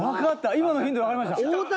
今のヒントでわかりました。